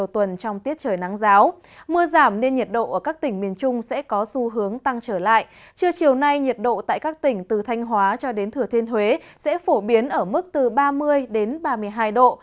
trưa chiều nay nhiệt độ tại các tỉnh từ thanh hóa cho đến thừa thiên huế sẽ phổ biến ở mức từ ba mươi đến ba mươi hai độ